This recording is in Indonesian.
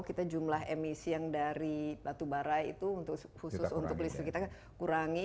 kita jumlah emisi yang dari batubara itu khusus untuk listrik kita kan kurangi